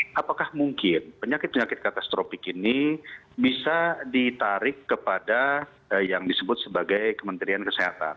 nah apakah mungkin penyakit penyakit katastropik ini bisa ditarik kepada yang disebut sebagai kementerian kesehatan